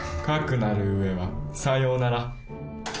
かくなる上はさようなら。